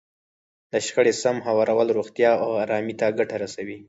د شخړې سم هوارول روغتیا او ارامۍ ته ګټه رسوي.